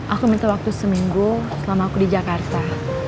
aku minta waktu seminggu selama aku di jakarta